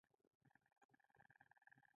جګړه د یووالي ضد ده